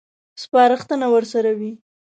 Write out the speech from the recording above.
سپارښتنه ورسره وي.